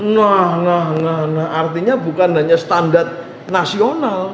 nah artinya bukan hanya standar nasional